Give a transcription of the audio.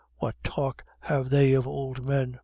What talk have they of ould men?